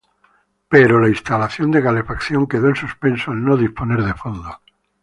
Pero la instalación de calefacción quedó en suspenso al no disponer de fondos.